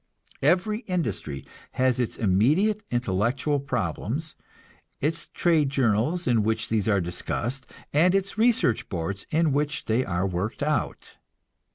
Every industry has its immediate intellectual problems, its trade journals in which these are discussed, and its research boards in which they are worked out.